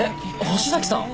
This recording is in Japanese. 星崎さん？